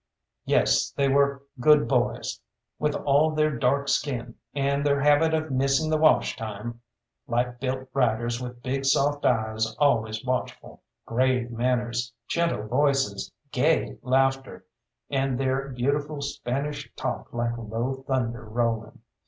Yes, they were good boys, with all their dark skin and their habit of missing the wash time; light built riders, with big, soft eyes always watchful, grave manners, gentle voices, gay laughter, and their beautiful Spanish talk like low thunder rolling.